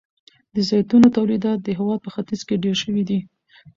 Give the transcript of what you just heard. د زیتونو تولیدات د هیواد په ختیځ کې ډیر شوي دي.